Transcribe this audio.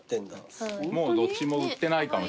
もうどっちも売ってないかもしれない。